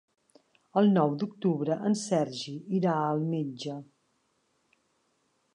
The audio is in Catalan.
El nou d'octubre en Sergi irà al metge.